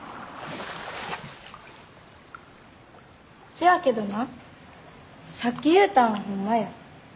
せやけどなさっき言うたんはホンマや。